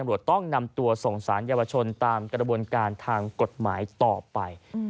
ต้องนำตัวส่งสารเยาวชนตามกระบวนการทางกฎหมายต่อไป